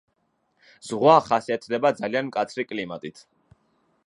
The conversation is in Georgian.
ზღვა ხასიათდება ძალიან მკაცრი კლიმატით.